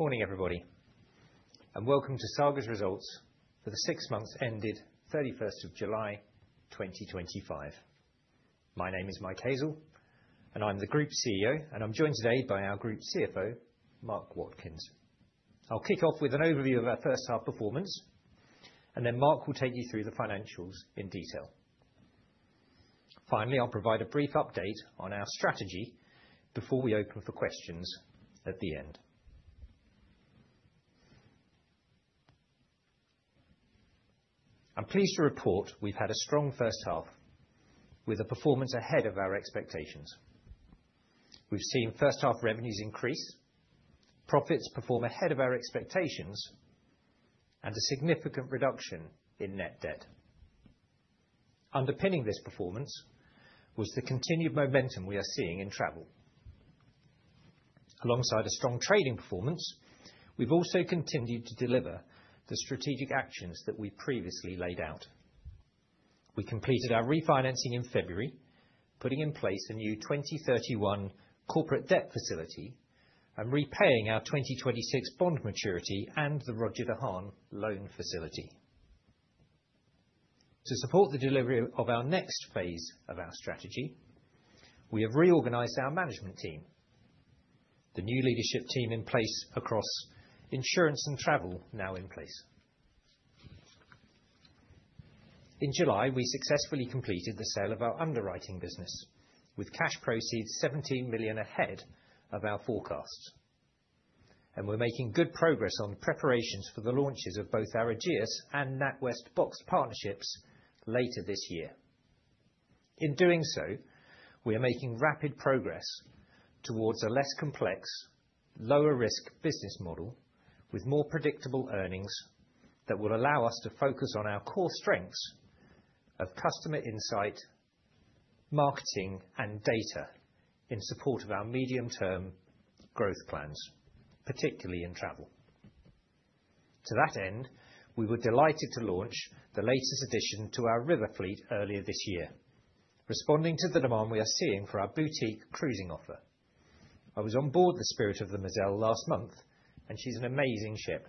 Morning, everybody, and welcome to Saga's results for the six months ended 31st of July 2025. My name is Mike Hazell, and I'm the Group CEO, and I'm joined today by our Group CFO, Mark Watkins. I'll kick off with an overview of our first half performance, and then Mark will take you through the financials in detail. Finally, I'll provide a brief update on our strategy before we open for questions at the end. I'm pleased to report we've had a strong first half, with a performance ahead of our expectations. We've seen first half revenues increase, profits perform ahead of our expectations, and a significant reduction in net debt. Underpinning this performance was the continued momentum we are seeing in Travel. Alongside a strong trading performance, we've also continued to deliver the strategic actions that we previously laid out. We completed our refinancing in February, putting in place a new 2031 corporate debt facility and repaying our 2026 bond maturity and the Roger De Haan loan facility. To support the delivery of our next phase of our strategy, we have reorganized our management team, the new leadership team in place across Insurance and Travel now in place. In July, we successfully completed the sale of our underwriting business, with cash proceeds 17 million ahead of our forecasts, and we're making good progress on preparations for the launches of both our Ageas and NatWest Boxed partnerships later this year. In doing so, we are making rapid progress towards a less complex, lower-risk business model with more predictable earnings that will allow us to focus on our core strengths of customer insight, marketing, and data in support of our medium-term growth plans, particularly in Travel. To that end, we were delighted to launch the latest addition to our river fleet earlier this year, responding to the demand we are seeing for our boutique cruising offer. I was on board the Spirit of the Moselle last month, and she's an amazing ship.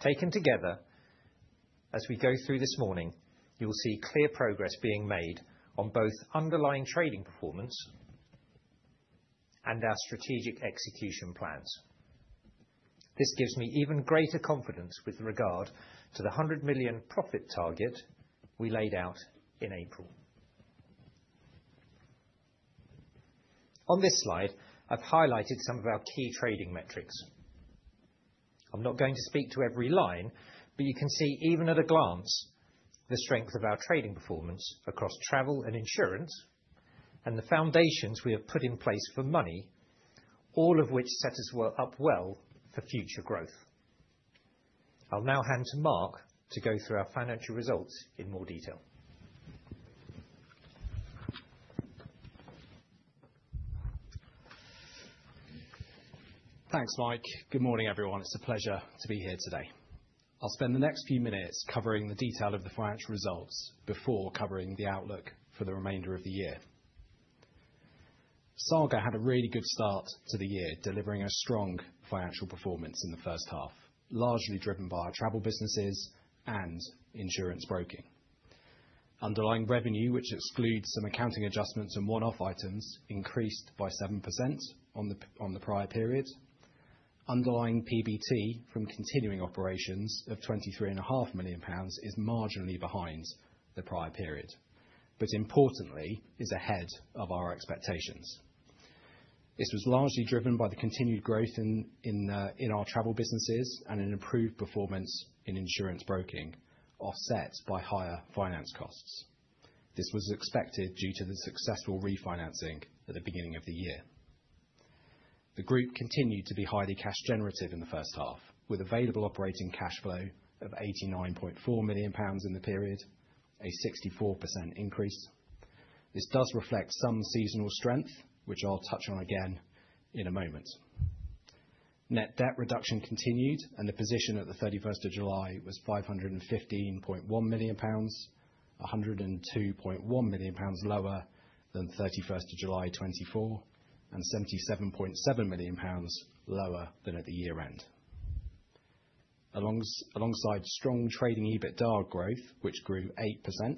Taken together, as we go through this morning, you'll see clear progress being made on both underlying trading performance and our strategic execution plans. This gives me even greater confidence with regard to the 100 million profit target we laid out in April. On this slide, I've highlighted some of our key trading metrics. I'm not going to speak to every line, but you can see even at a glance the strength of our trading performance across Travel and Insurance and the foundations we have put in place for Money, all of which set us up well for future growth. I'll now hand to Mark to go through our financial results in more detail. Thanks, Mike. Good morning, everyone. It's a pleasure to be here today. I'll spend the next few minutes covering the detail of the financial results before covering the outlook for the remainder of the year. Saga had a really good start to the year, delivering a strong financial performance in the first half, largely driven by our Travel businesses and Insurance Broking. Underlying revenue, which excludes some accounting adjustments and one-off items, increased by 7% on the prior period. Underlying PBT from continuing operations of 23.5 million pounds is marginally behind the prior period, but importantly is ahead of our expectations. This was largely driven by the continued growth in our Travel businesses and an improved performance in Insurance Broking, offset by higher finance costs. This was expected due to the successful refinancing at the beginning of the year. The group continued to be highly cash generative in the first half, with available operating cash flow of 89.4 million pounds in the period, a 64% increase. This does reflect some seasonal strength, which I'll touch on again in a moment. Net debt reduction continued, and the position at the 31st of July was 515.1 million pounds, 102.1 million pounds lower than 31st of July 2024, and 77.7 million pounds lower than at the year-end. Alongside strong trading EBITDA growth, which grew 8%,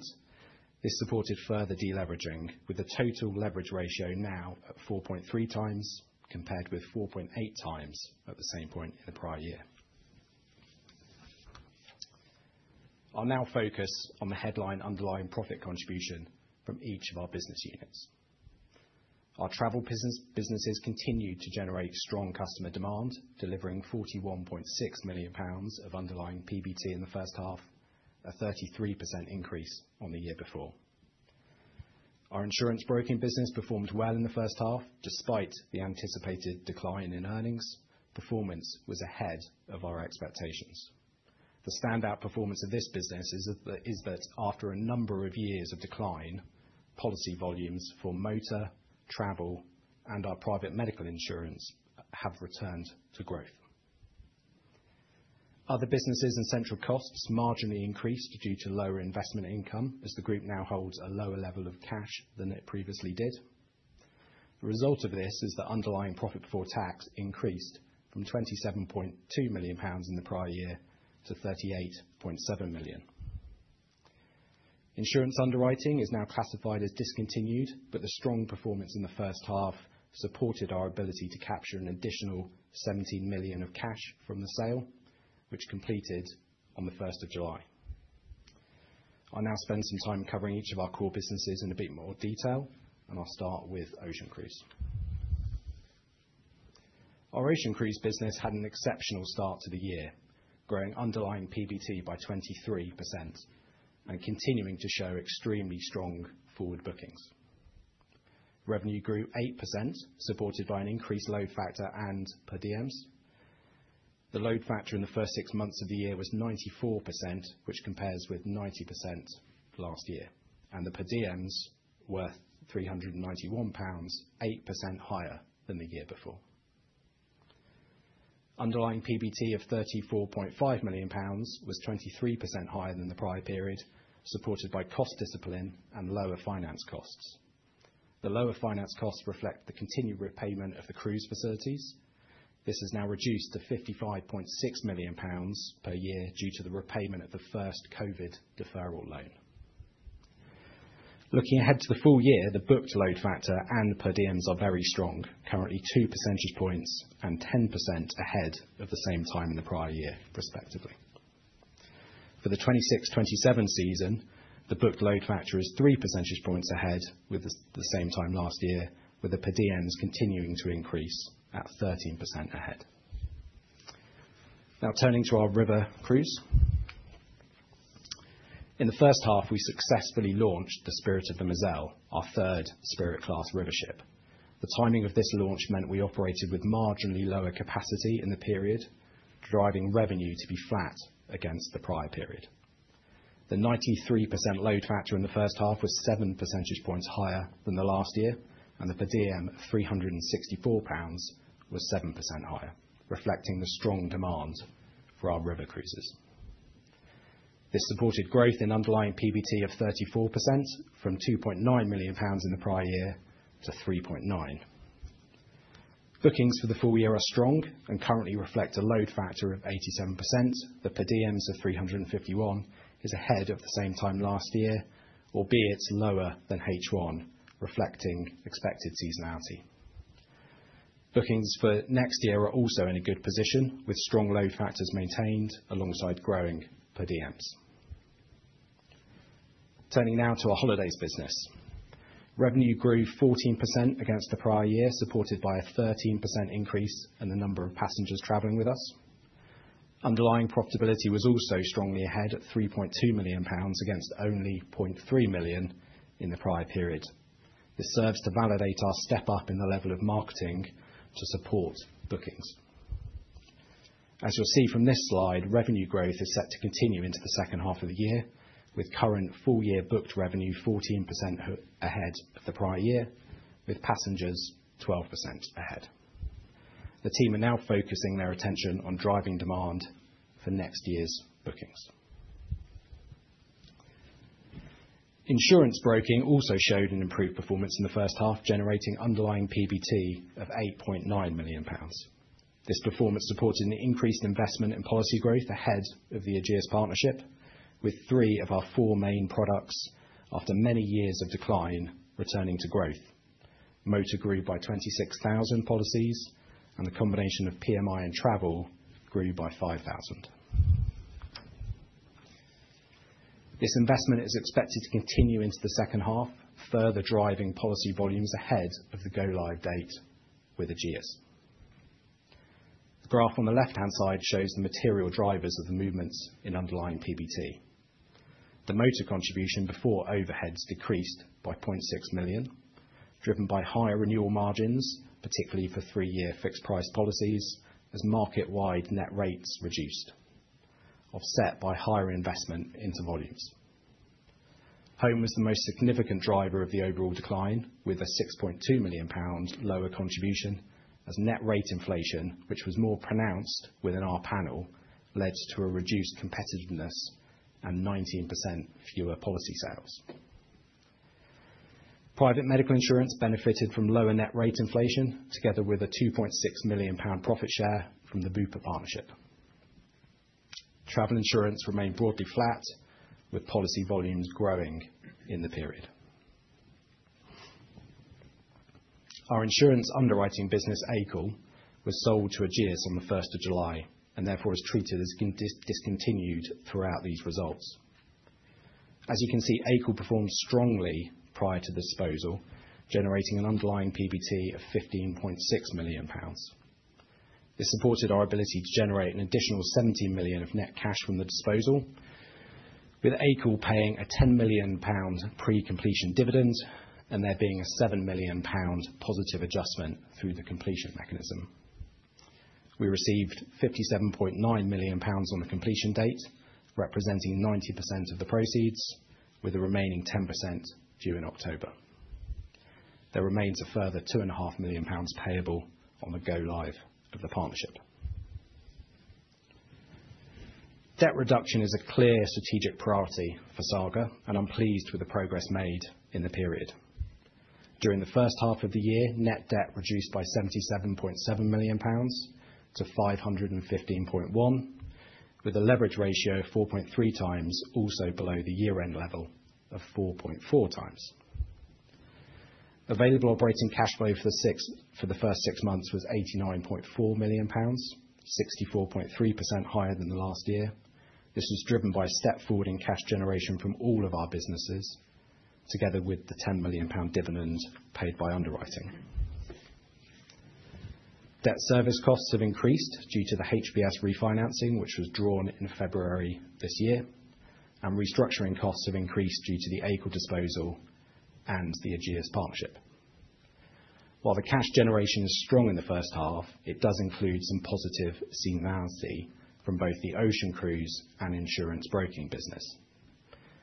this supported further deleveraging, with the total leverage ratio now at 4.3 times compared with 4.8 times at the same point in the prior year. I'll now focus on the headline underlying profit contribution from each of our business units. Our Travel businesses continued to generate strong customer demand, delivering 41.6 million pounds of underlying PBT in the first half, a 33% increase on the year before. Our Insurance Broking business performed well in the first half despite the anticipated decline in earnings. Performance was ahead of our expectations. The standout performance of this business is that after a number of years of decline, policy volumes for Motor, Travel, and our Private Medical Insurance have returned to growth. Other Businesses and Central Costs marginally increased due to lower investment income as the group now holds a lower level of cash than it previously did. The result of this is that underlying profit before tax increased from 27.2 million pounds in the prior year to 38.7 million. Insurance Underwriting is now classified as discontinued, but the strong performance in the first half supported our ability to capture an additional 17 million of cash from the sale, which completed on the 1st of July. I'll now spend some time covering each of our core businesses in a bit more detail, and I'll start with Ocean Cruise. Our Ocean Cruise business had an exceptional start to the year, growing underlying PBT by 23% and continuing to show extremely strong forward bookings. Revenue grew 8%, supported by an increased load factor and per diems. The load factor in the first six months of the year was 94%, which compares with 90% last year, and the per diems were 391 pounds, 8% higher than the year before. Underlying PBT of 34.5 million pounds was 23% higher than the prior period, supported by cost discipline and lower finance costs. The lower finance costs reflect the continued repayment of the Cruise facilities. This has now reduced to 55.6 million pounds per year due to the repayment of the first COVID deferral loan. Looking ahead to the full year, the booked load factor and per diems are very strong, currently two percentage points and 10% ahead of the same time in the prior year, respectively. For the 2026-2027 season, the booked load factor is three percentage points ahead with the same time last year, with the per diems continuing to increase at 13% ahead. Now turning to our river cruise. In the first half, we successfully launched the Spirit of the Moselle, our third Spirit-class river ship. The timing of this launch meant we operated with marginally lower capacity in the period, driving revenue to be flat against the prior period. The 93% load factor in the first half was seven percentage points higher than the last year, and the per diem of 364 pounds was 7% higher, reflecting the strong demand for our River Cruisers. This supported growth in underlying PBT of 34% from 2.9 million pounds in the prior year to 3.9. Bookings for the full year are strong and currently reflect a load factor of 87%. The per diems of 351 is ahead of the same time last year, albeit lower than H1, reflecting expected seasonality. Bookings for next year are also in a good position, with strong load factors maintained alongside growing per diems. Turning now to our Holidays business. Revenue grew 14% against the prior year, supported by a 13% increase in the number of passengers traveling with us. Underlying profitability was also strongly ahead at 3.2 million pounds against only 0.3 million in the prior period. This serves to validate our step up in the level of marketing to support bookings. As you'll see from this slide, revenue growth is set to continue into the second half of the year, with current full-year booked revenue 14% ahead of the prior year, with passengers 12% ahead. The team are now focusing their attention on driving demand for next year's bookings. Insurance Broking also showed an improved performance in the first half, generating underlying PBT of 8.9 million pounds. This performance supported an increased investment in policy growth ahead of the Ageas partnership, with three of our four main products, after many years of decline, returning to growth. Motor grew by 26,000 policies, and the combination of PMI and Travel grew by 5,000. This investment is expected to continue into the second half, further driving policy volumes ahead of the go-live date with Ageas. The graph on the left-hand side shows the material drivers of the movements in underlying PBT. The Motor contribution before overheads decreased by 0.6 million, driven by higher renewal margins, particularly for three-year fixed-price policies as market-wide net rates reduced, offset by higher investment into volumes. Home was the most significant driver of the overall decline, with a 6.2 million pounds lower contribution as net rate inflation, which was more pronounced within our panel, led to a reduced competitiveness and 19% fewer policy sales. Private Medical Insurance benefited from lower net rate inflation, together with a 2.6 million pound profit share from the Bupa partnership. Travel insurance remained broadly flat, with policy volumes growing in the period. Our Insurance Underwriting business, AICL, was sold to Ageas on the 1st of July and therefore is treated as discontinued throughout these results. As you can see, AICL performed strongly prior to the disposal, generating an underlying PBT of 15.6 million pounds. This supported our ability to generate an additional 17 million of net cash from the disposal, with AICL paying a 10 million pound pre-completion dividend and there being a 7 million pound positive adjustment through the completion mechanism. We received 57.9 million pounds on the completion date, representing 90% of the proceeds, with the remaining 10% due in October. There remains a further 2.5 million pounds payable on the go-live of the partnership. Debt reduction is a clear strategic priority for Saga, and I'm pleased with the progress made in the period. During the first half of the year, net debt reduced by 77.7 million pounds to 515.1 million, with a leverage ratio of 4.3x also below the year-end level of 4.4x. Available operating cash flow for the first six months was 89.4 million pounds, 64.3% higher than the last year. This was driven by step-forwarding cash generation from all of our businesses, together with the 10 million pound dividend paid by underwriting. Debt service costs have increased due to the HPS refinancing, which was drawn in February this year, and restructuring costs have increased due to the AICL disposal and the Ageas partnership. While the cash generation is strong in the first half, it does include some positive seasonality from both the Ocean Cruise and Insurance Broking business.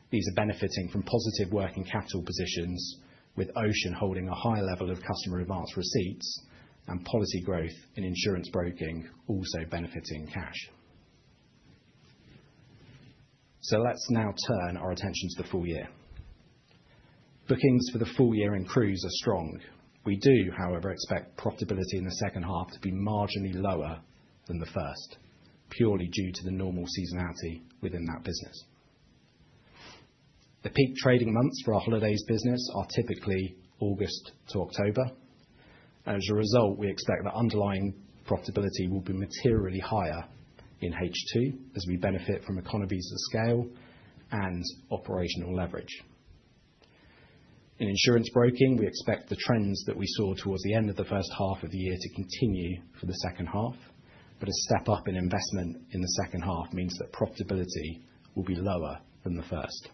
These are benefiting from positive working capital positions, with Ocean holding a high level of customer advance receipts and policy growth in Insurance Broking also benefiting cash. So let's now turn our attention to the full year. Bookings for the full year in Cruise are strong. We do, however, expect profitability in the second half to be marginally lower than the first, purely due to the normal seasonality within that business. The peak trading months for our Holidays business are typically August to October. As a result, we expect that underlying profitability will be materially higher in H2 as we benefit from economies of scale and operational leverage. In Insurance Broking, we expect the trends that we saw towards the end of the first half of the year to continue for the second half, but a step up in investment in the second half means that profitability will be lower than the first.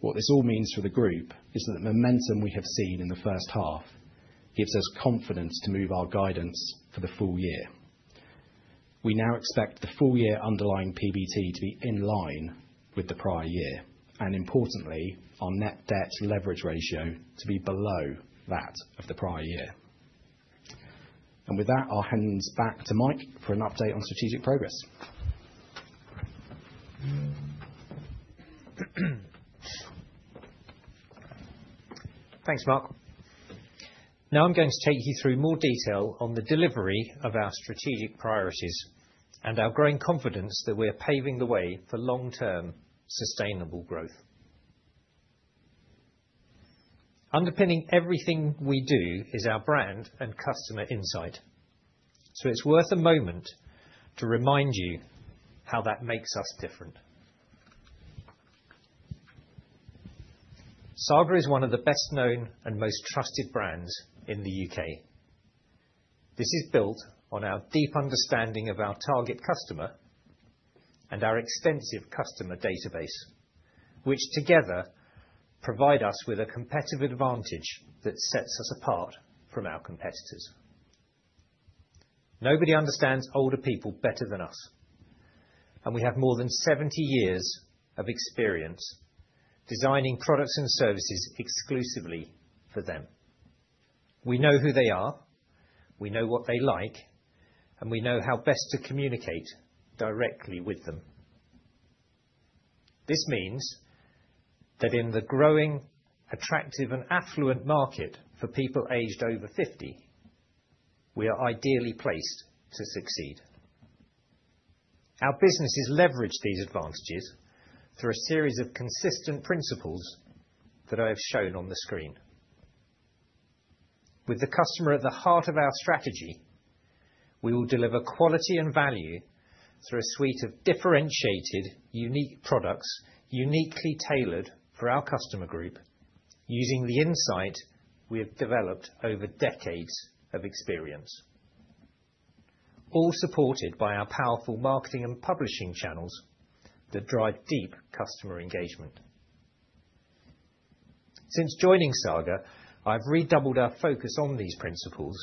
What this all means for the group is that the momentum we have seen in the first half gives us confidence to move our guidance for the full year. We now expect the full year underlying PBT to be in line with the prior year and, importantly, our net debt to leverage ratio to be below that of the prior year. With that, I'll hand back to Mike for an update on strategic progress. Thanks, Mark. Now I'm going to take you through more detail on the delivery of our strategic priorities and our growing confidence that we are paving the way for long-term sustainable growth. Underpinning everything we do is our brand and customer insight, so it's worth a moment to remind you how that makes us different. Saga is one of the best-known and most trusted brands in the U.K. This is built on our deep understanding of our target customer and our extensive customer database, which together provide us with a competitive advantage that sets us apart from our competitors. Nobody understands older people better than us, and we have more than 70 years of experience designing products and services exclusively for them. We know who they are, we know what they like, and we know how best to communicate directly with them. This means that in the growing, attractive, and affluent market for people aged over 50, we are ideally placed to succeed. Our businesses leverage these advantages through a series of consistent principles that I have shown on the screen. With the customer at the heart of our strategy, we will deliver quality and value through a suite of differentiated, unique products uniquely tailored for our customer group using the insight we have developed over decades of experience, all supported by our powerful marketing and publishing channels that drive deep customer engagement. Since joining Saga, I've redoubled our focus on these principles,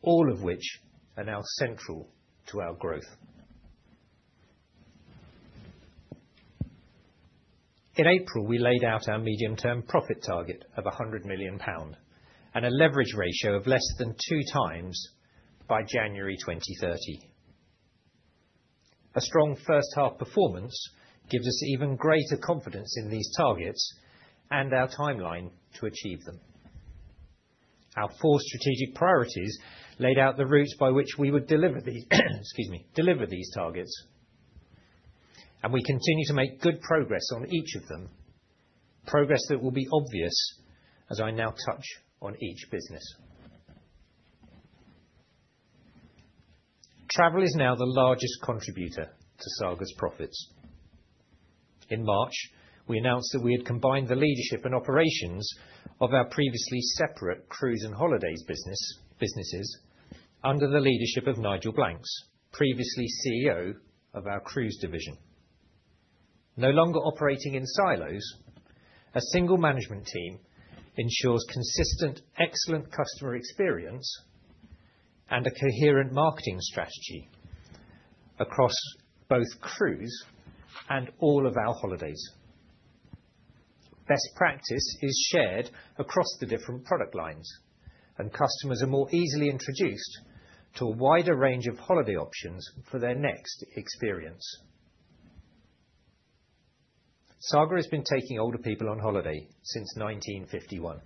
all of which are now central to our growth. In April, we laid out our medium-term profit target of 100 million pound and a leverage ratio of less than 2x by January 2030. A strong first-half performance gives us even greater confidence in these targets and our timeline to achieve them. Our four strategic priorities laid out the route by which we would deliver these targets, and we continue to make good progress on each of them, progress that will be obvious as I now touch on each business. Travel is now the largest contributor to Saga's profits. In March, we announced that we had combined the leadership and operations of our previously separate Cruise and Holidays businesses under the leadership of Nigel Blanks, previously CEO of our Cruise division. No longer operating in silos, a single management team ensures consistent, excellent customer experience and a coherent marketing strategy across both Cruise and all of our Holidays. Best practice is shared across the different product lines, and customers are more easily introduced to a wider range of holiday options for their next experience. Saga has been taking older people on holiday since 1951,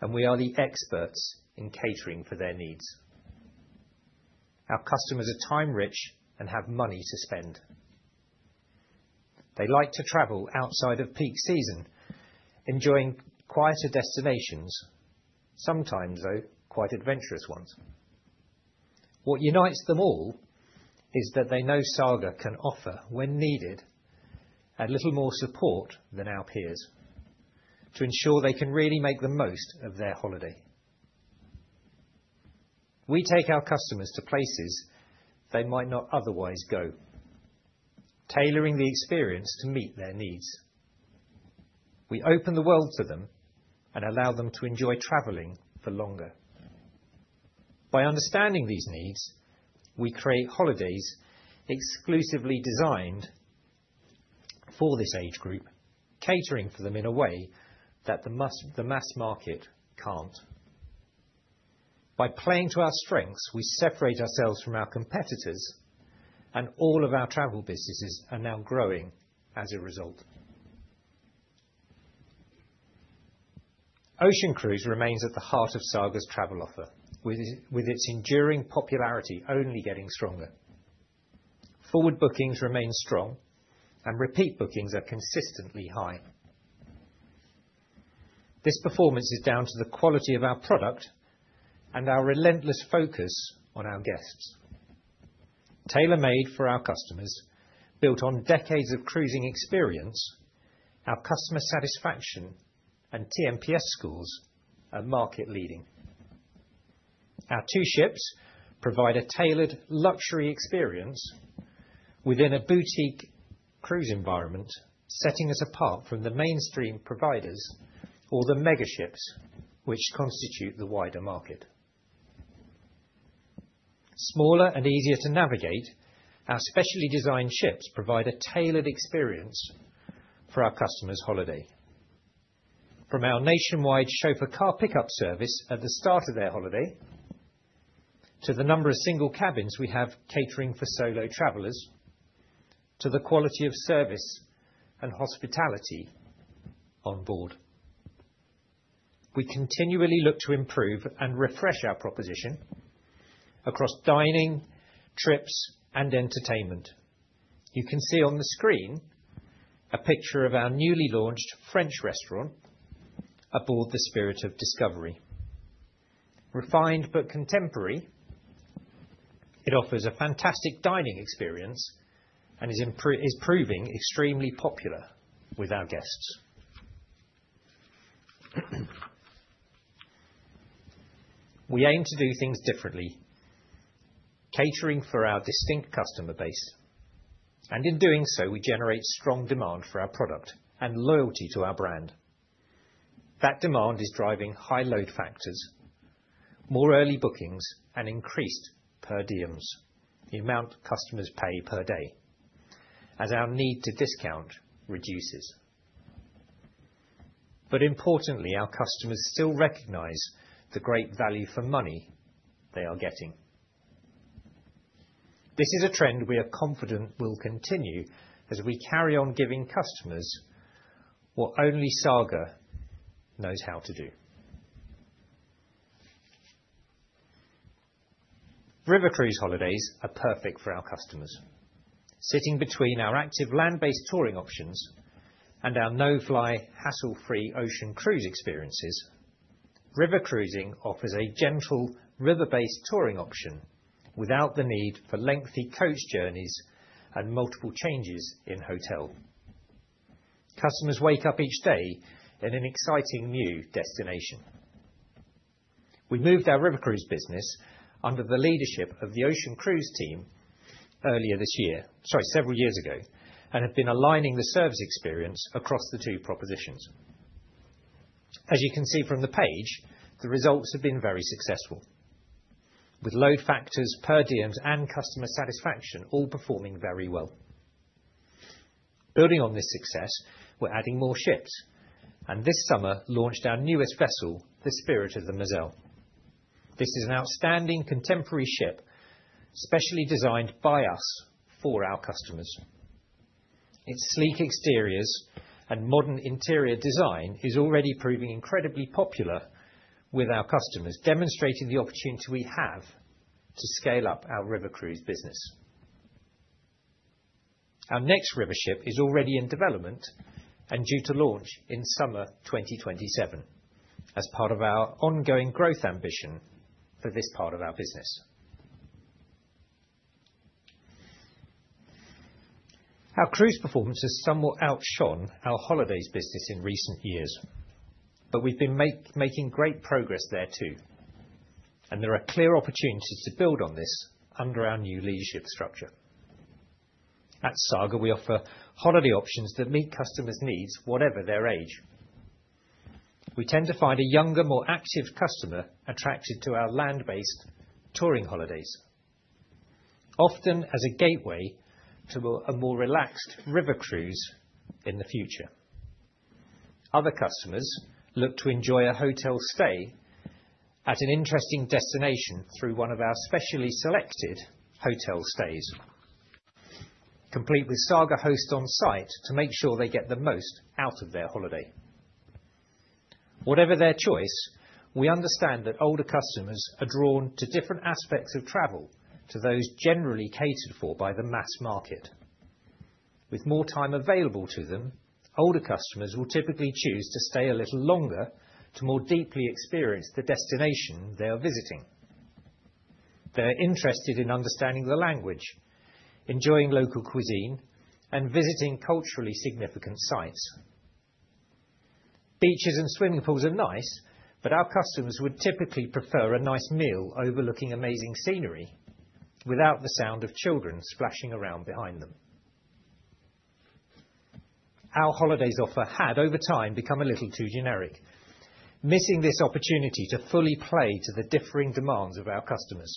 and we are the experts in catering for their needs. Our customers are time-rich and have money to spend. They like to travel outside of peak season, enjoying quieter destinations, sometimes, though, quite adventurous ones. What unites them all is that they know Saga can offer, when needed, a little more support than our peers to ensure they can really make the most of their holiday. We take our customers to places they might not otherwise go, tailoring the experience to meet their needs. We open the world to them and allow them to enjoy traveling for longer. By understanding these needs, we create Holidays exclusively designed for this age group, catering for them in a way that the mass market can't. By playing to our strengths, we separate ourselves from our competitors, and all of our Travel businesses are now growing as a result. Ocean Cruise remains at the heart of Saga's Travel offer, with its enduring popularity only getting stronger. Forward bookings remain strong, and repeat bookings are consistently high. This performance is down to the quality of our product and our relentless focus on our guests. Tailor-made for our customers, built on decades of cruising experience, our customer satisfaction and tNPS scores are market-leading. Our two ships provide a tailored luxury experience within a boutique Cruise environment, setting us apart from the mainstream providers or the mega ships, which constitute the wider market. Smaller and easier to navigate, our specially designed ships provide a tailored experience for our customers' holiday. From our nationwide chauffeur car pickup service at the start of their holiday to the number of single cabins we have catering for solo travelers, to the quality of service and hospitality on board. We continually look to improve and refresh our proposition across dining, trips, and entertainment. You can see on the screen a picture of our newly launched French restaurant aboard the Spirit of Discovery. Refined but contemporary, it offers a fantastic dining experience and is proving extremely popular with our guests. We aim to do things differently, catering for our distinct customer base, and in doing so, we generate strong demand for our product and loyalty to our brand. That demand is driving high load factors, more early bookings, and increased per diems, the amount customers pay per day, as our need to discount reduces, but importantly, our customers still recognize the great value for money they are getting. This is a trend we are confident will continue as we carry on giving customers what only Saga knows how to do. River Cruise Holidays are perfect for our customers. Sitting between our active land-based touring options and our no-fly, hassle-free Ocean Cruise experiences, River Cruising offers a gentle river-based touring option without the need for lengthy coach journeys and multiple changes in hotel. Customers wake up each day in an exciting new destination. We moved our River Cruise business under the leadership of the Ocean Cruise team earlier this year, sorry, several years ago, and have been aligning the service experience across the two propositions. As you can see from the page, the results have been very successful, with load factors, per diems, and customer satisfaction all performing very well. Building on this success, we're adding more ships and this summer launched our newest vessel, the Spirit of the Moselle. This is an outstanding contemporary ship, specially designed by us for our customers. Its sleek exteriors and modern interior design are already proving incredibly popular with our customers, demonstrating the opportunity we have to scale up our River Cruise business. Our next river ship is already in development and due to launch in summer 2027 as part of our ongoing growth ambition for this part of our business. Our Cruise performance has somewhat outshone our Holidays business in recent years, but we've been making great progress there too, and there are clear opportunities to build on this under our new leadership structure. At Saga, we offer holiday options that meet customers' needs, whatever their age. We tend to find a younger, more active customer attracted to our land-based touring holidays, often as a gateway to a more relaxed River Cruise in the future. Other customers look to enjoy a hotel stay at an interesting destination through one of our specially selected hotel stays, complete with Saga hosts on site to make sure they get the most out of their holiday. Whatever their choice, we understand that older customers are drawn to different aspects of Travel to those generally catered for by the mass market. With more time available to them, older customers will typically choose to stay a little longer to more deeply experience the destination they are visiting. They are interested in understanding the language, enjoying local cuisine, and visiting culturally significant sites. Beaches and swimming pools are nice, but our customers would typically prefer a nice meal overlooking amazing scenery without the sound of children splashing around behind them. Our Holidays offer had, over time, become a little too generic, missing this opportunity to fully play to the differing demands of our customers,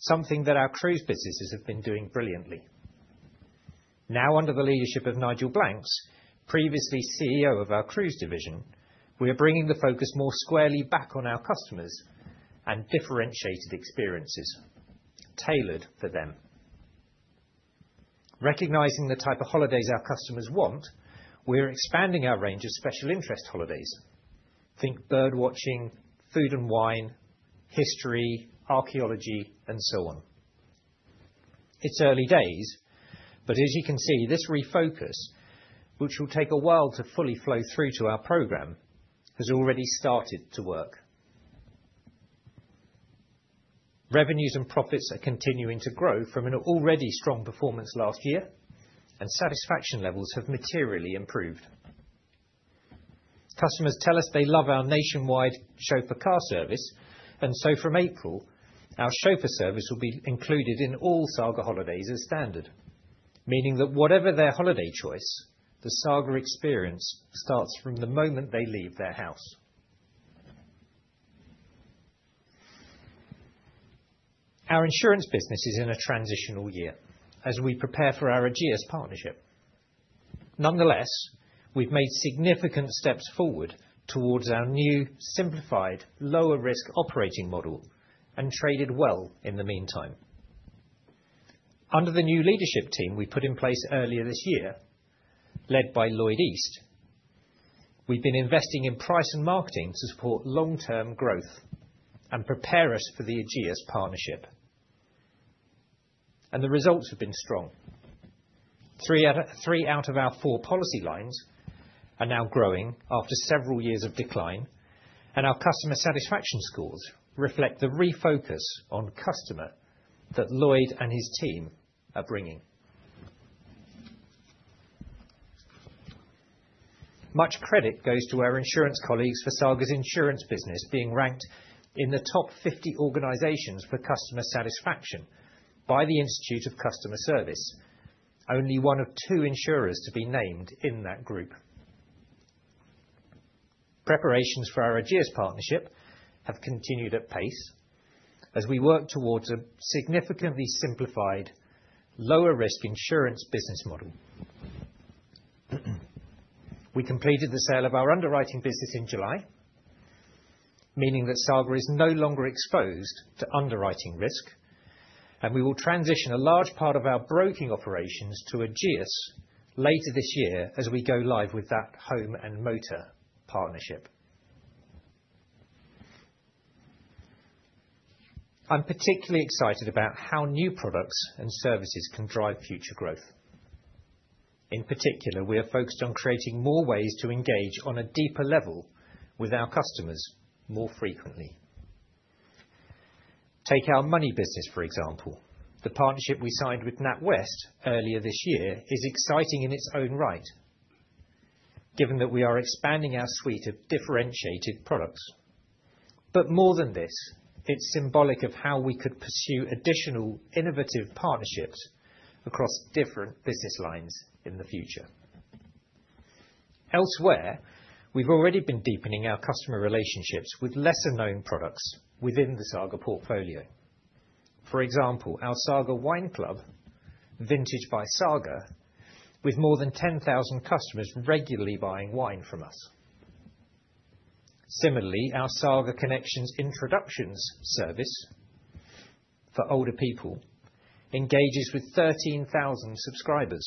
something that our Cruise businesses have been doing brilliantly. Now, under the leadership of Nigel Blanks, previously CEO of our Cruise division, we are bringing the focus more squarely back on our customers and differentiated experiences tailored for them. Recognizing the type of holidays our customers want, we are expanding our range of special interest holidays. Think birdwatching, food and wine, history, archaeology, and so on. It's early days, but as you can see, this refocus, which will take a while to fully flow through to our program, has already started to work. Revenues and profits are continuing to grow from an already strong performance last year, and satisfaction levels have materially improved. Customers tell us they love our nationwide chauffeur car service, and so from April, our chauffeur service will be included in all Saga Holidays as standard, meaning that whatever their holiday choice, the Saga experience starts from the moment they leave their house. Our Insurance business is in a transitional year as we prepare for our Ageas partnership. Nonetheless, we've made significant steps forward towards our new simplified, lower-risk operating model and traded well in the meantime. Under the new leadership team we put in place earlier this year, led by Lloyd East, we've been investing in price and marketing to support long-term growth and prepare us for the Ageas partnership, and the results have been strong. Three out of our four policy lines are now growing after several years of decline, and our customer satisfaction scores reflect the refocus on customer that Lloyd and his team are bringing. Much credit goes to our Insurance colleagues for Saga's Insurance business being ranked in the top 50 organizations for customer satisfaction by the Institute of Customer Service, only one of two insurers to be named in that group. Preparations for our Ageas partnership have continued at pace as we work towards a significantly simplified, lower-risk insurance business model. We completed the sale of our underwriting business in July, meaning that Saga is no longer exposed to underwriting risk, and we will transition a large part of our broking operations to Ageas later this year as we go live with that home and Motor partnership. I'm particularly excited about how new products and services can drive future growth. In particular, we are focused on creating more ways to engage on a deeper level with our customers more frequently. Take our Money business, for example. The partnership we signed with NatWest earlier this year is exciting in its own right, given that we are expanding our suite of differentiated products. But more than this, it's symbolic of how we could pursue additional innovative partnerships across different business lines in the future. Elsewhere, we've already been deepening our customer relationships with lesser-known products within the Saga portfolio. For example, our Saga Wine Club, Vintage by Saga, with more than 10,000 customers regularly buying wine from us. Similarly, our Saga Connections Introductions service for older people engages with 13,000 subscribers,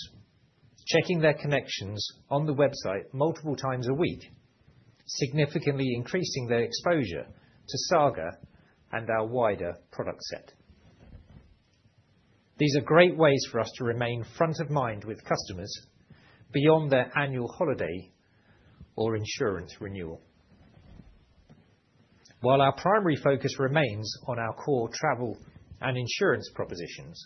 checking their connections on the website multiple times a week, significantly increasing their exposure to Saga and our wider product set. These are great ways for us to remain front of mind with customers beyond their annual holiday or Insurance renewal. While our primary focus remains on our core Travel and Insurance propositions,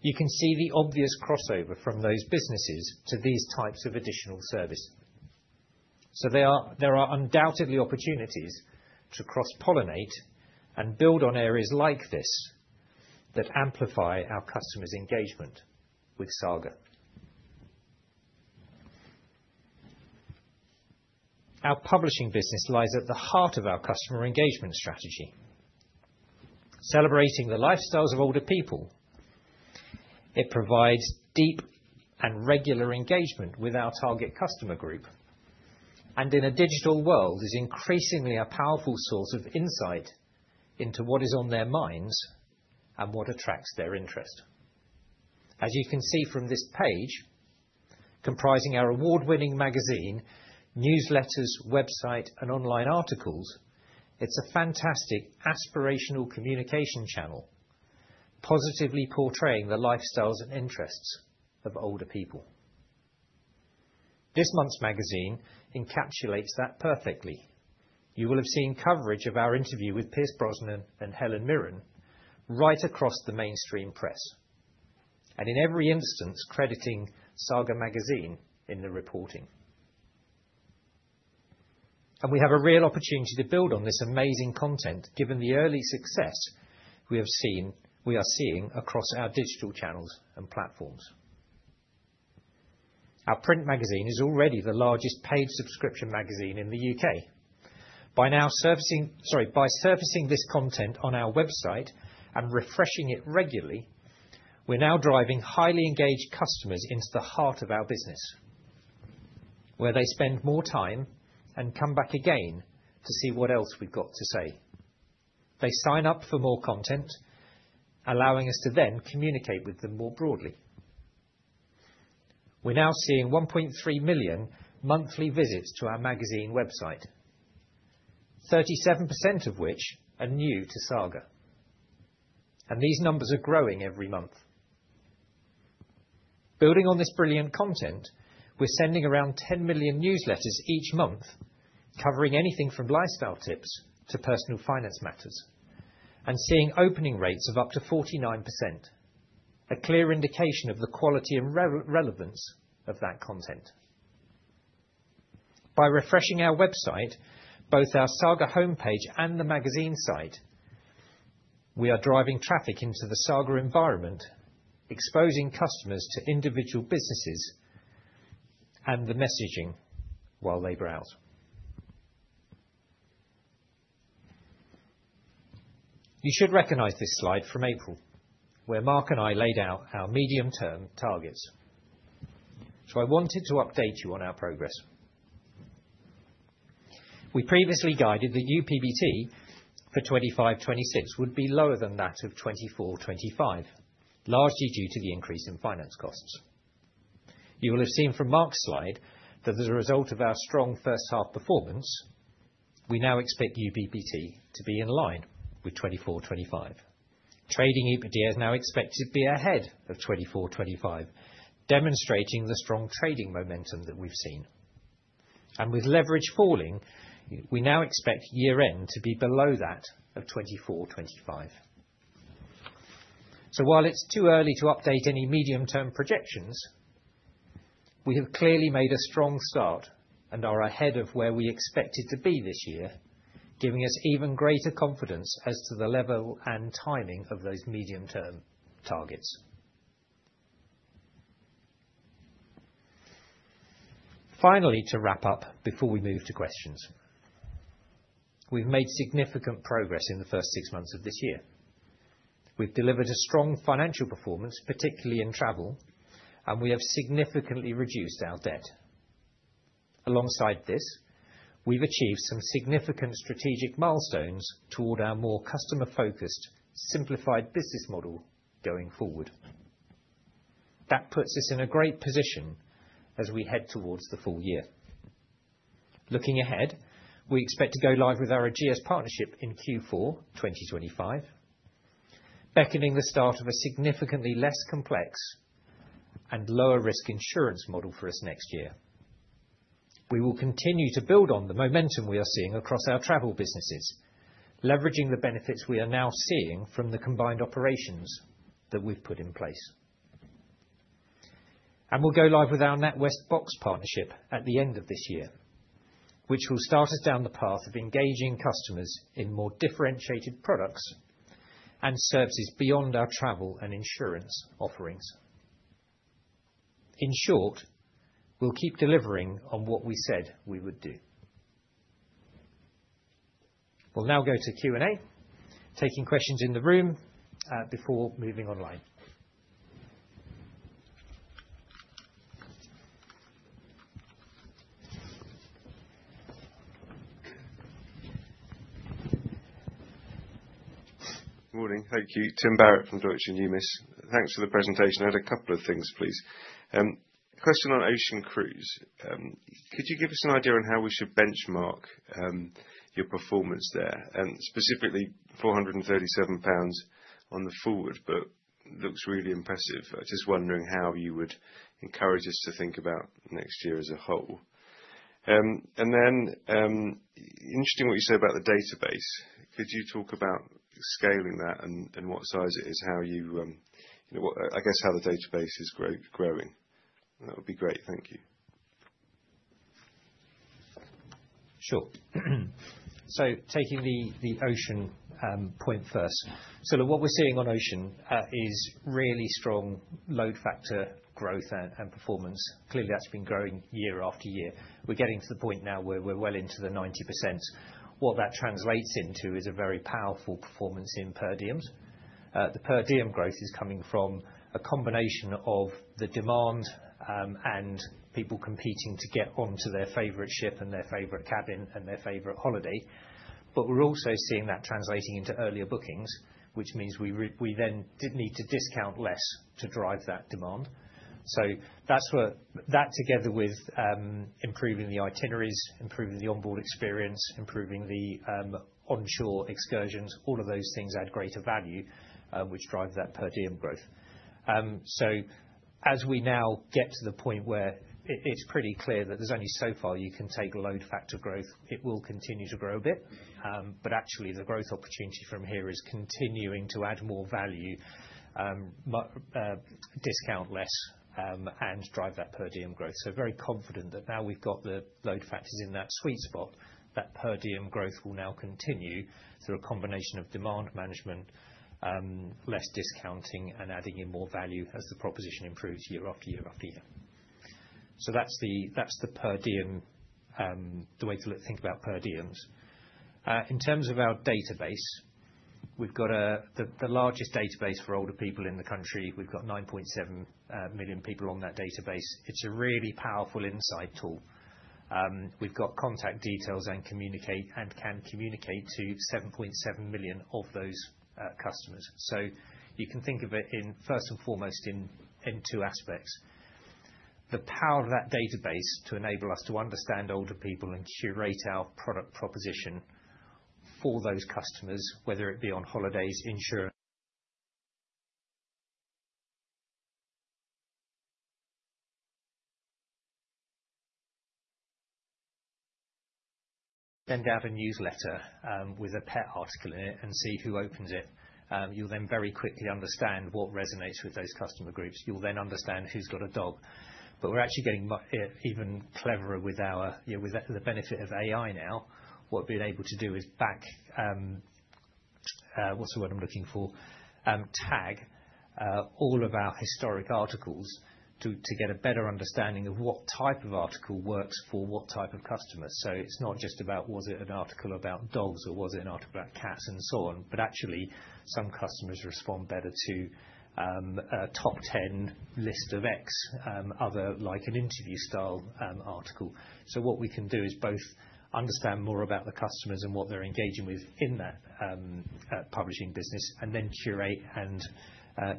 you can see the obvious crossover from those businesses to these types of additional service. So there are undoubtedly opportunities to cross-pollinate and build on areas like this that amplify our customers' engagement with Saga. Our publishing business lies at the heart of our customer engagement strategy. Celebrating the lifestyles of older people, it provides deep and regular engagement with our target customer group, and in a digital world, is increasingly a powerful source of insight into what is on their minds and what attracts their interest. As you can see from this page, comprising our award-winning magazine, newsletters, website, and online articles, it's a fantastic aspirational communication channel, positively portraying the lifestyles and interests of older people. This month's magazine encapsulates that perfectly. You will have seen coverage of our interview with Pierce Brosnan and Helen Mirren right across the mainstream press, and in every instance, crediting Saga Magazine in the reporting. And we have a real opportunity to build on this amazing content, given the early success we have seen we are seeing across our digital channels and platforms. Our print magazine is already the largest paid subscription magazine in the U.K. By servicing this content on our website and refreshing it regularly, we're now driving highly engaged customers into the heart of our business, where they spend more time and come back again to see what else we've got to say. They sign up for more content, allowing us to then communicate with them more broadly. We're now seeing 1.3 million monthly visits to our magazine website, 37% of which are new to Saga, and these numbers are growing every month. Building on this brilliant content, we're sending around 10 million newsletters each month, covering anything from lifestyle tips to personal finance matters and seeing opening rates of up to 49%, a clear indication of the quality and relevance of that content. By refreshing our website, both our Saga homepage and the magazine site, we are driving traffic into the Saga environment, exposing customers to individual businesses and the messaging while they browse. You should recognize this slide from April, where Mark and I laid out our medium-term targets. So I wanted to update you on our progress. We previously guided that UPBT for 2025 to 2026 would be lower than that of 2024 to 2025, largely due to the increase in finance costs. You will have seen from Mark's slide that as a result of our strong first-half performance, we now expect UPBT to be in line with 2024 to 1025. Trading EPS is now expected to be ahead of 2024 to 2025, demonstrating the strong trading momentum that we've seen. And with leverage falling, we now expect year-end to be below that of 2024 to 2025. So while it's too early to update any medium-term projections, we have clearly made a strong start and are ahead of where we expected to be this year, giving us even greater confidence as to the level and timing of those medium-term targets. Finally, to wrap up before we move to questions, we've made significant progress in the first six months of this year. We've delivered a strong financial performance, particularly in Travel, and we have significantly reduced our debt. Alongside this, we've achieved some significant strategic milestones toward our more customer-focused, simplified business model going forward. That puts us in a great position as we head towards the full year. Looking ahead, we expect to go live with our Ageas partnership in Q4 2025, beckoning the start of a significantly less complex and lower-risk Insurance model for us next year. We will continue to build on the momentum we are seeing across our Travel businesses, leveraging the benefits we are now seeing from the combined operations that we've put in place. And we'll go live with our NatWest Boxed partnership at the end of this year, which will start us down the path of engaging customers in more differentiated products and services beyond our Travel and Insurance offerings. In short, we'll keep delivering on what we said we would do. We'll now go to Q&A, taking questions in the room before moving online. Morning. Thank you. Tim Barrett from Deutsche Numis. Thanks for the presentation. I had a couple of things, please. Question on Ocean Cruise. Could you give us an idea on how we should benchmark your performance there? Specifically, 437 pounds on the forward, but looks really impressive. Just wondering how you would encourage us to think about next year as a whole. And then, interesting what you said about the database. Could you talk about scaling that and what size it is, how you, I guess, how the database is growing? That would be great. Thank you. Sure. So taking the ocean point first, so what we're seeing on ocean is really strong load factor growth and performance. Clearly, that's been growing year after year. We're getting to the point now where we're well into the 90%. What that translates into is a very powerful performance in per diems. The per diem growth is coming from a combination of the demand and people competing to get onto their favorite ship and their favorite cabin and their favorite holiday. But we're also seeing that translating into earlier bookings, which means we then need to discount less to drive that demand. So that together with improving the itineraries, improving the onboard experience, improving the onshore excursions, all of those things add greater value, which drives that per diem growth. So as we now get to the point where it's pretty clear that there's only so far you can take load factor growth, it will continue to grow a bit. But actually, the growth opportunity from here is continuing to add more value, discount less, and drive that per diem growth. So very confident that now we've got the load factors in that sweet spot, that per diem growth will now continue through a combination of demand management, less discounting, and adding in more value as the proposition improves year after year-after-year. So that's the per diem, the way to think about per diems. In terms of our database, we've got the largest database for older people in the country. We've got 9.7 million people on that database. It's a really powerful insight tool. We've got contact details and can communicate to 7.7 million of those customers. So you can think of it, first and foremost, in two aspects. The power of that database to enable us to understand older people and curate our product proposition for those customers, whether it be on Holidays, Insurance, send out a newsletter with a pet article in it and see who opens it. You'll then very quickly understand what resonates with those customer groups. You'll then understand who's got a dog, but we're actually getting even cleverer with the benefit of AI now. What we've been able to do is back - what's the word I'm looking for? - tag all of our historic articles to get a better understanding of what type of article works for what type of customers, so it's not just about, was it an article about dogs or was it an article about cats and so on, but actually, some customers respond better to a top 10 list of X, other like an interview style article. So what we can do is both understand more about the customers and what they're engaging with in that publishing business, and then curate and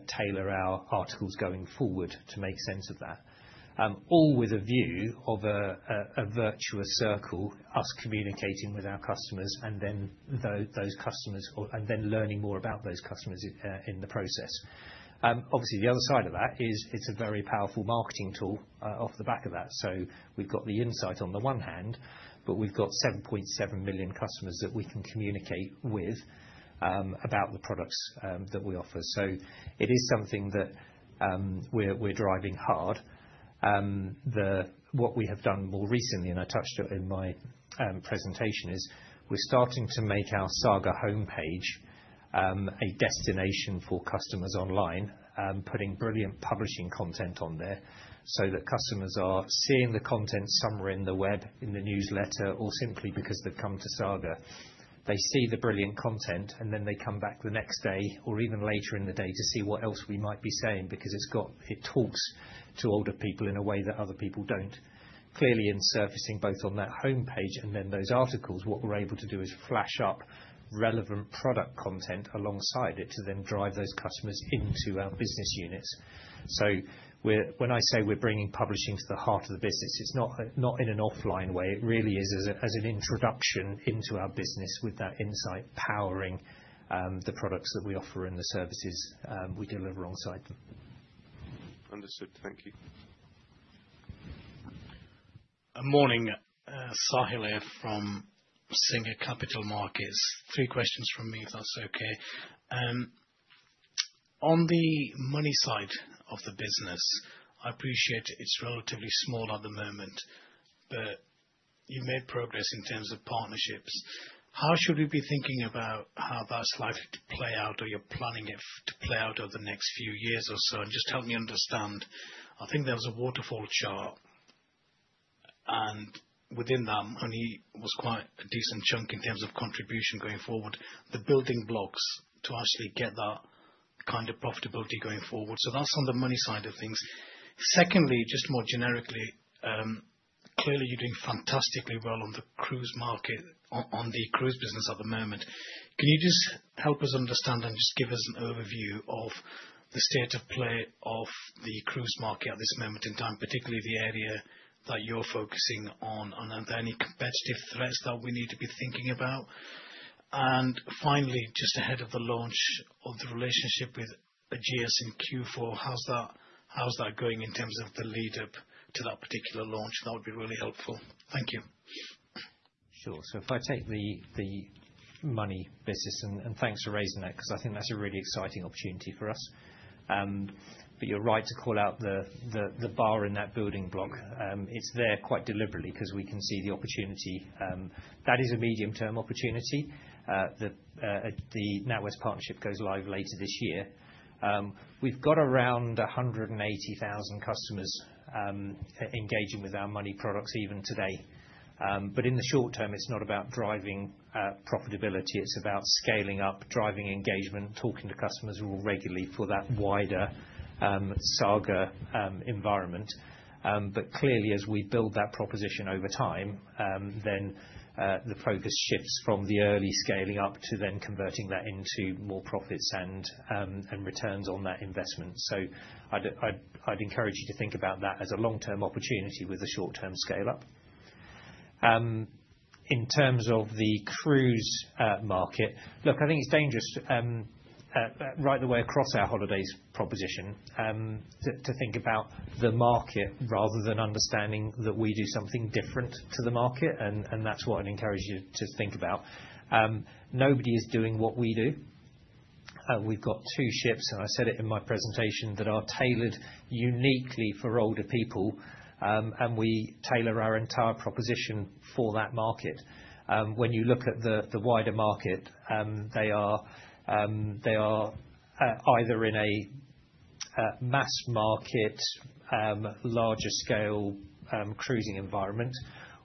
tailor our articles going forward to make sense of that, all with a view of a virtuous circle us communicating with our customers and then learning more about those customers in the process. Obviously, the other side of that is it's a very powerful marketing tool off the back of that. So we've got the insight on the one hand, but we've got 7.7 million customers that we can communicate with about the products that we offer. So it is something that we're driving hard. What we have done more recently, and I touched on it in my presentation, is we're starting to make our Saga homepage a destination for customers online, putting brilliant publishing content on there so that customers are seeing the content somewhere in the web, in the newsletter, or simply because they've come to Saga. They see the brilliant content, and then they come back the next day or even later in the day to see what else we might be saying because it talks to older people in a way that other people don't. Clearly, in surfacing both on that homepage and then those articles, what we're able to do is flash up relevant product content alongside it to then drive those customers into our business units. So when I say we're bringing publishing to the heart of the business, it's not in an offline way. It really is as an introduction into our business with that insight powering the products that we offer and the services we deliver alongside them. Understood. Thank you. Morning. Sahill here from Singer Capital Markets. Three questions from me, if that's okay. On the Money side of the business, I appreciate it's relatively small at the moment, but you've made progress in terms of partnerships. How should we be thinking about how that's likely to play out, or you're planning it to play out over the next few years or so? And just help me understand. I think there was a waterfall chart, and within that, only was quite a decent chunk in terms of contribution going forward, the building blocks to actually get that kind of profitability going forward. So that's on the Money side of things. Secondly, just more generically, clearly, you're doing fantastically well on the Cruise market, on the Cruise business at the moment. Can you just help us understand and just give us an overview of the state of play of the Cruise market at this moment in time, particularly the area that you're focusing on, and are there any competitive threats that we need to be thinking about? And finally, just ahead of the launch of the relationship with Ageas and Q4, how's that going in terms of the lead-up to that particular launch? That would be really helpful. Thank you. Sure. So if I take the Money business, and thanks for raising that because I think that's a really exciting opportunity for us. But you're right to call out the bar in that building block. It's there quite deliberately because we can see the opportunity. That is a medium-term opportunity. The NatWest partnership goes live later this year. We've got around 180,000 customers engaging with our Money products even today. But in the short term, it's not about driving profitability. It's about scaling up, driving engagement, talking to customers more regularly for that wider Saga environment. But clearly, as we build that proposition over time, then the focus shifts from the early scaling up to then converting that into more profits and returns on that investment. So I'd encourage you to think about that as a long-term opportunity with a short-term scale-up. In terms of the Cruise market, look, I think it's dangerous right the way across our Holidays proposition to think about the market rather than understanding that we do something different to the market, and that's what I'd encourage you to think about. Nobody is doing what we do. We've got two ships, and I said it in my presentation, that are tailored uniquely for older people, and we tailor our entire proposition for that market. When you look at the wider market, they are either in a mass market, larger-scale cruising environment,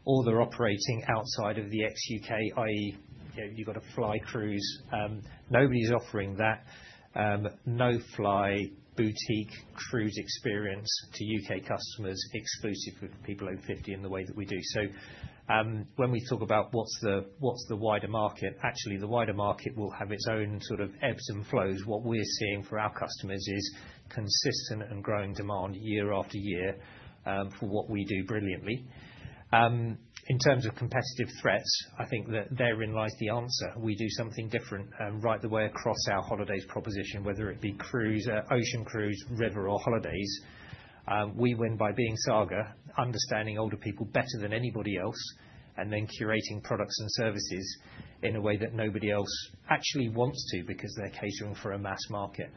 or they're operating outside of the ex-U.K., i.e., you've got a fly Cruise. Nobody's offering that no-fly boutique Cruise experience to U.K. customers exclusively for people over 50 in the way that we do. So when we talk about what's the wider market, actually, the wider market will have its own sort of ebbs and flows. What we're seeing for our customers is consistent and growing demand year-after-year for what we do brilliantly. In terms of competitive threats, I think that therein lies the answer. We do something different right the way across our Holidays proposition, whether it be Cruise, Ocean Cruise, river, or Holidays. We win by being Saga, understanding older people better than anybody else, and then curating products and services in a way that nobody else actually wants to because they're catering for a mass market.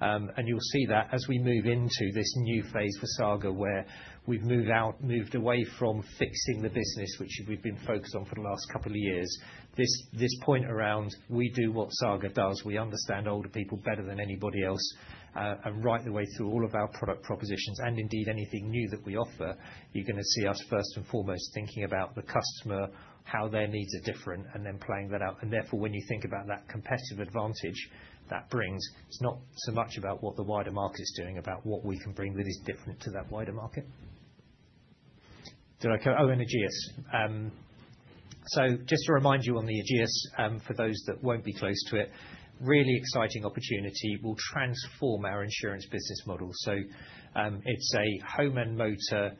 And you'll see that as we move into this new phase for Saga where we've moved away from fixing the business, which we've been focused on for the last couple of years. This point around, we do what Saga does. We understand older people better than anybody else and right the way through all of our product propositions. And indeed, anything new that we offer, you're going to see us, first and foremost, thinking about the customer, how their needs are different, and then playing that out. And therefore, when you think about that competitive advantage that brings, it's not so much about what the wider market's doing, about what we can bring that is different to that wider market. Did I go? Oh, and Ageas. So just to remind you on the Ageas, for those that won't be close to it, really exciting opportunity. We'll transform our Insurance business model. So it's a home and Motor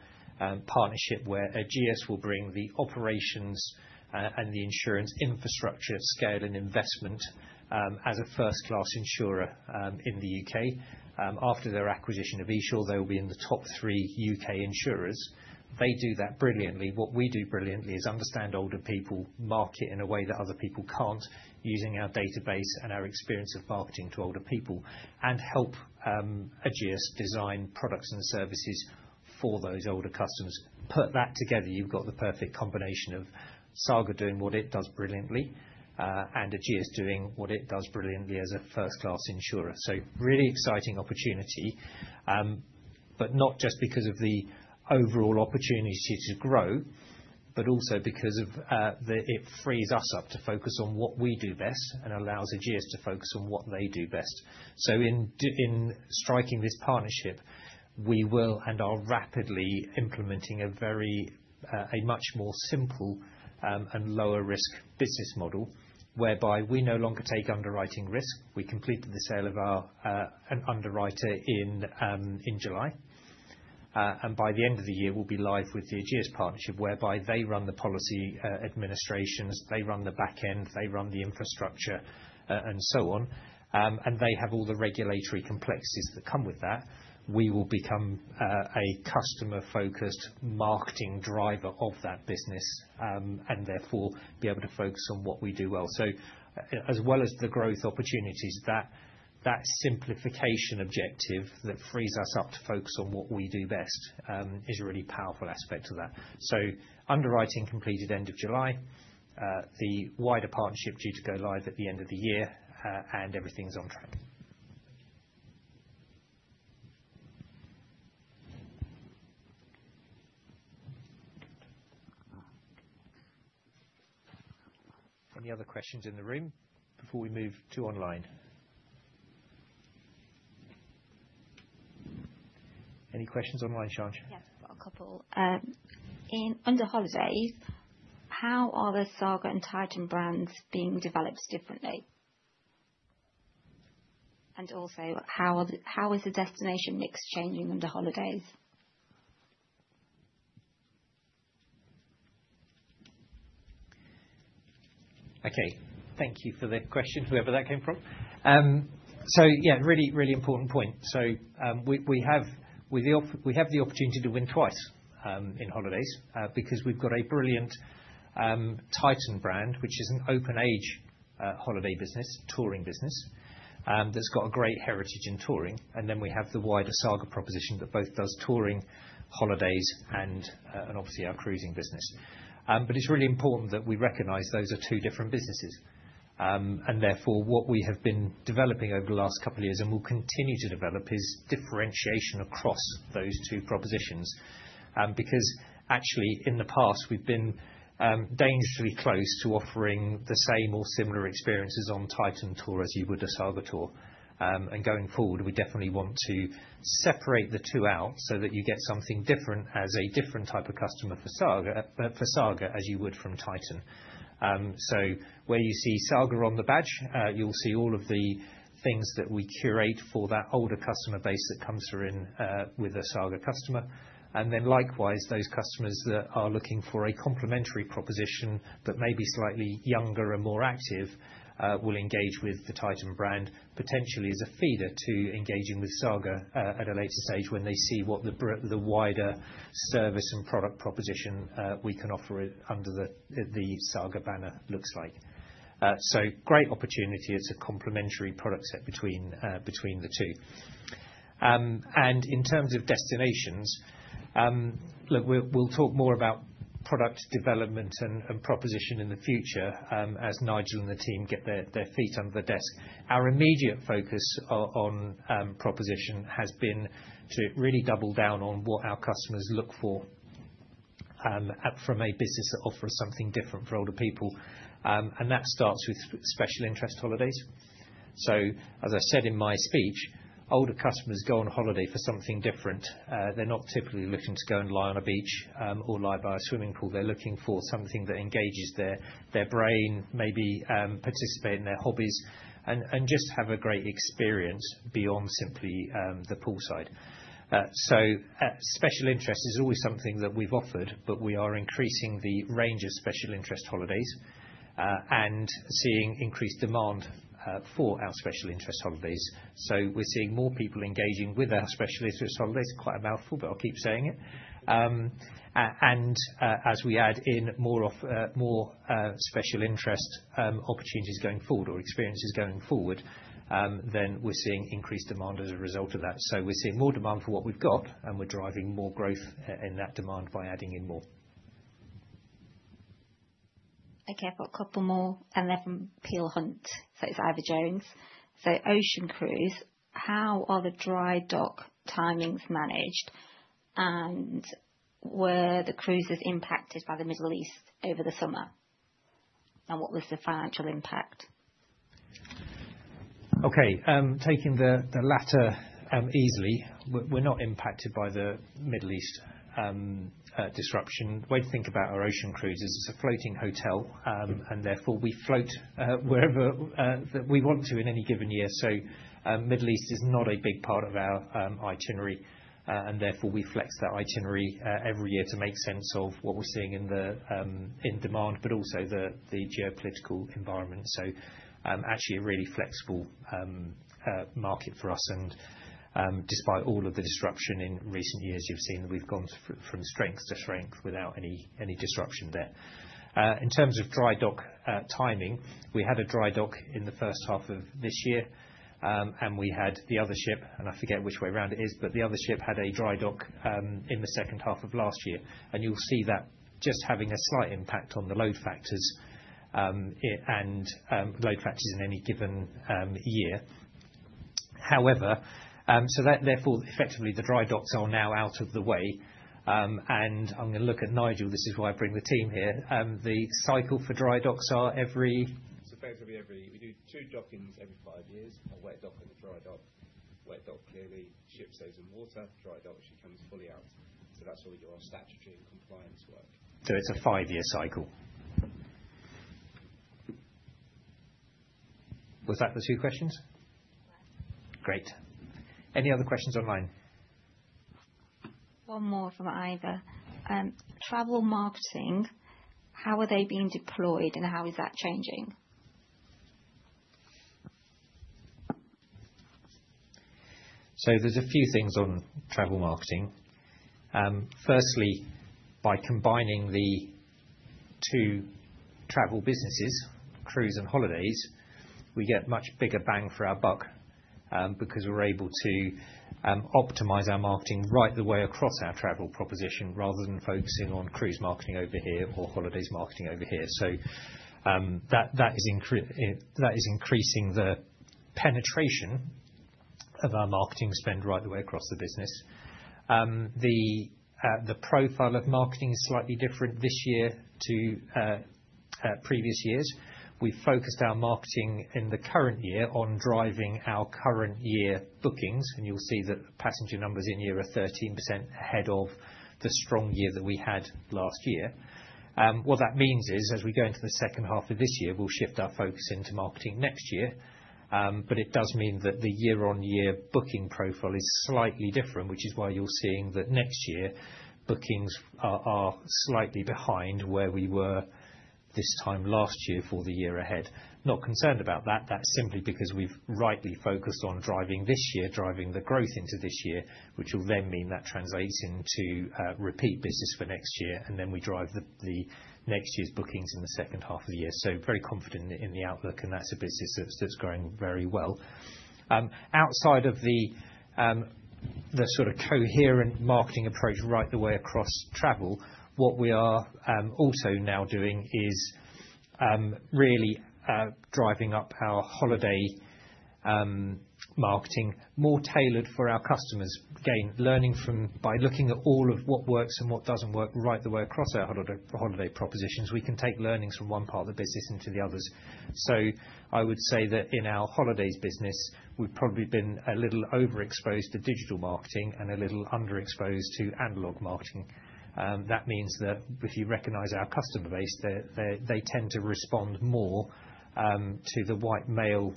partnership where Ageas will bring the operations and the Insurance infrastructure scale and investment as a first-class insurer in the U.K. After their acquisition of Esure, they will be in the top three U.K. insurers. They do that brilliantly. What we do brilliantly is understand older people, market in a way that other people can't, using our database and our experience of marketing to older people, and help Ageas design products and services for those older customers. Put that together, you've got the perfect combination of Saga doing what it does brilliantly and Ageas doing what it does brilliantly as a first-class insurer. So really exciting opportunity, but not just because of the overall opportunity to grow, but also because it frees us up to focus on what we do best and allows Ageas to focus on what they do best. So in striking this partnership, we will and are rapidly implementing a much more simple and lower-risk business model whereby we no longer take underwriting risk. We completed the sale of an underwriter in July. And by the end of the year, we'll be live with the Ageas partnership whereby they run the policy administrations, they run the back end, they run the infrastructure, and so on. And they have all the regulatory complexities that come with that. We will become a customer-focused marketing driver of that business and therefore be able to focus on what we do well. So as well as the growth opportunities, that simplification objective that frees us up to focus on what we do best is a really powerful aspect of that. So underwriting completed end of July. The wider partnership due to go live at the end of the year, and everything's on track. Any other questions in the room before we move to online? Any questions online? Yes, a couple. In our Holidays, how are the Saga and Titan brands being developed differently? And also, how is the destination mix changing in our Holidays? Okay. Thank you for the question, whoever that came from. So yeah, really, really important point. So we have the opportunity to win twice in Holidays because we've got a brilliant Titan brand, which is an open-age holiday business, touring business that's got a great heritage in touring. And then we have the wider Saga proposition that both does touring, Holidays, and obviously our cruising business. But it's really important that we recognize those are two different businesses. And therefore, what we have been developing over the last couple of years and will continue to develop is differentiation across those two propositions. Because actually, in the past, we've been dangerously close to offering the same or similar experiences on Titan Tour as you would a Saga Tour. And going forward, we definitely want to separate the two out so that you get something different as a different type of customer for Saga as you would from Titan. So where you see Saga on the badge, you'll see all of the things that we curate for that older customer base that comes through with a Saga customer. And then likewise, those customers that are looking for a complementary proposition that may be slightly younger and more active will engage with the Titan brand potentially as a feeder to engaging with Saga at a later stage when they see what the wider service and product proposition we can offer under the Saga banner looks like. So great opportunity as a complementary product set between the two. And in terms of destinations, look, we'll talk more about product development and proposition in the future as Nigel and the team get their feet under the desk. Our immediate focus on proposition has been to really double down on what our customers look for from a business that offers something different for older people. And that starts with special interest holidays. So as I said in my speech, older customers go on holiday for something different. They're not typically looking to go and lie on a beach or lie by a swimming pool. They're looking for something that engages their brain, maybe participate in their hobbies, and just have a great experience beyond simply the poolside. So special interest is always something that we've offered, but we are increasing the range of special interest holidays and seeing increased demand for our special interest holidays. So we're seeing more people engaging with our special interest holidays. Quite a mouthful, but I'll keep saying it. As we add in more special interest opportunities going forward or experiences going forward, then we're seeing increased demand as a result of that. We're seeing more demand for what we've got, and we're driving more growth in that demand by adding in more. Okay. I've got a couple more, and they're from Peel Hunt. It's Ivor Jones. Ocean Cruise, how are the dry dock timings managed, and were the Cruises impacted by the Middle East over the summer? And what was the financial impact? Okay. Taking the latter easily, we're not impacted by the Middle East disruption. The way to think about our Ocean Cruises is a floating hotel, and therefore we float wherever we want to in any given year. Middle East is not a big part of our itinerary, and therefore we flex that itinerary every year to make sense of what we're seeing in demand, but also the geopolitical environment. Actually a really flexible market for us. Despite all of the disruption in recent years, you've seen that we've gone from strength to strength without any disruption there. In terms of dry dock timing, we had a dry dock in the first half of this year, and we had the other ship, and I forget which way around it is, but the other ship had a dry dock in the second half of last year. You'll see that just having a slight impact on the load factors in any given year. However, so therefore effectively the dry docks are now out of the way. I'm going to look at Nigel. This is why I bring the team here. The cycle for dry docks are every five years. We do two dockings every five years. A wet dock and a dry dock. Wet dock clearly keeps the ships in the water. Dry dock actually comes fully out, so that's all your statutory and compliance work, so it's a five-year cycle. Was that the two questions? Great. Any other questions online? One more from Ivor. Travel marketing, how are they being deployed, and how is that changing. So there's a few things on Travel marketing. Firstly, by combining the two Travel businesses, Cruise and Holidays, we get much bigger bang for our buck because we're able to optimize our marketing right the way across our Travel proposition rather than focusing on Cruise marketing over here or Holidays marketing over here. So that is increasing the penetration of our marketing spend right the way across the business. The profile of marketing is slightly different this year to previous years. We focused our marketing in the current year on driving our current year bookings, and you'll see that passenger numbers in year are 13% ahead of the strong year that we had last year. What that means is, as we go into the second half of this year, we'll shift our focus into marketing next year. But it does mean that the year-on-year booking profile is slightly different, which is why you're seeing that next year bookings are slightly behind where we were this time last year for the year ahead. Not concerned about that. That's simply because we've rightly focused on driving this year, driving the growth into this year, which will then mean that translates into repeat business for next year, and then we drive the next year's bookings in the second half of the year. So very confident in the outlook, and that's a business that's growing very well. Outside of the sort of coherent marketing approach right the way across Travel, what we are also now doing is really driving up our holiday marketing more tailored for our customers. Again, learning from by looking at all of what works and what doesn't work right the way across our holiday propositions, we can take learnings from one part of the business into the others. So I would say that in our Holidays business, we've probably been a little overexposed to digital marketing and a little underexposed to analogue marketing. That means that if you recognize our customer base, they tend to respond more to the white mail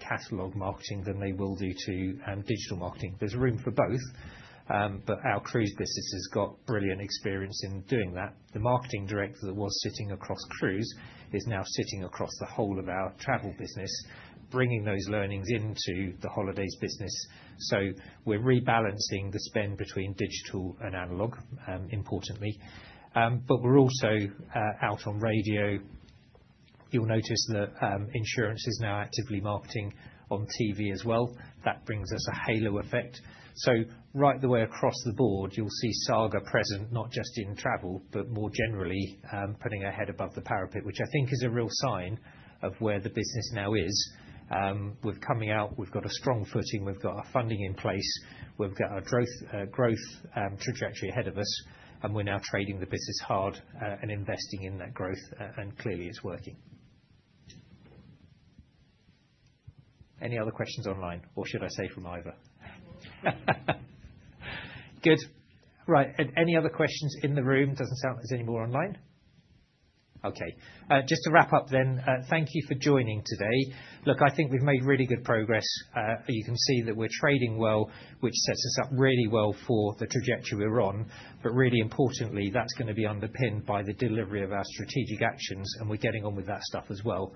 catalog marketing than they will do to digital marketing. There's room for both, but our Cruise business has got brilliant experience in doing that. The marketing director that was sitting across Cruise is now sitting across the whole of our Travel business, bringing those learnings into the Holidays business. So we're rebalancing the spend between digital and analog, importantly. But we're also out on radio. You'll notice that Insurance is now actively marketing on TV as well. That brings us a halo effect. So right the way across the board, you'll see Saga present, not just in Travel, but more generally putting a head above the parapet, which I think is a real sign of where the business now is. We're coming out. We've got a strong footing. We've got our funding in place. We've got our growth trajectory ahead of us, and we're now trading the business hard and investing in that growth, and clearly it's working. Any other questions online? Or should I say from Ivor? Good. Right. Any other questions in the room? Doesn't sound like there's any more online. Okay. Just to wrap up then, thank you for joining today. Look, I think we've made really good progress. You can see that we're trading well, which sets us up really well for the trajectory we're on. But really importantly, that's going to be underpinned by the delivery of our strategic actions, and we're getting on with that stuff as well,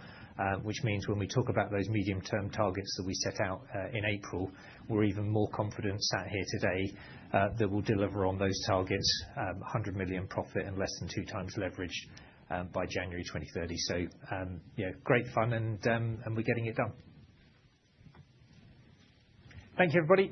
which means when we talk about those medium-term targets that we set out in April, we're even more confident sat here today that we'll deliver on those targets, 100 million profit and less than two times leverage by January 2030. So yeah, great fun, and we're getting it done. Thank you, everybody.